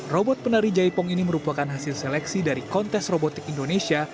robot penari jaipong ini merupakan hasil seleksi dari kontes robotik indonesia